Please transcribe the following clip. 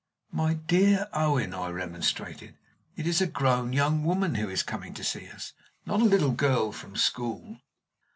"My dear Owen," I remonstrated, "it is a grown young woman who is coming to see us, not a little girl from school."